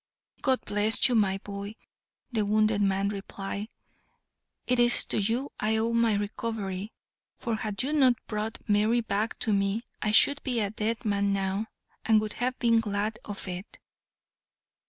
"God bless you, my boy," the wounded man replied; "it is to you I owe my recovery, for had you not brought Mary back to me, I should be a dead man now, and would have been glad of it."